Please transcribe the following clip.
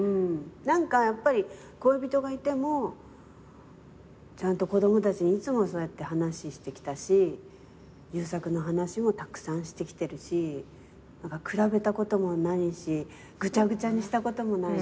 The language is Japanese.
何かやっぱり恋人がいてもちゃんと子供たちにいつもそうやって話してきたし優作の話もたくさんしてきてるし比べたこともないしぐちゃぐちゃにしたこともないし。